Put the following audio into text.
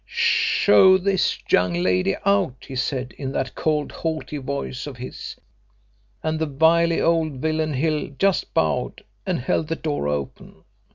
'Show this young lady out,' he said in that cold haughty voice of his, and the wily old villain Hill just bowed and held the door open.